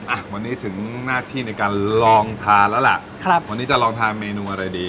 อ่ะวันนี้ถึงหน้าที่ในการลองทานแล้วล่ะครับวันนี้จะลองทานเมนูอะไรดี